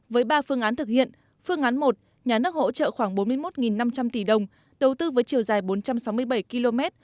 với ba phương án thực hiện phương án một nhà nước hỗ trợ khoảng bốn mươi một năm trăm linh tỷ đồng đầu tư với chiều dài bốn trăm sáu mươi bảy km